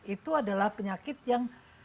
itu adalah penyakit yang